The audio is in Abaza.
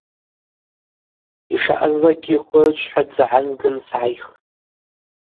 Йшаъазлакӏгьи хвырчвхӏва дзы гӏазгын сгӏайхтӏ.